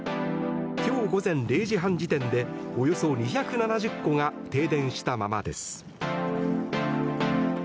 今日午前０時半時点でおよそ２７０戸が停電したままです。